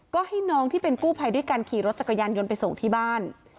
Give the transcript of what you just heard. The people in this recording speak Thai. ก็ให้น้องที่เป็นกู้ภัยด้วยกันขี่รถจักรยานยนต์ไปส่งที่บ้าน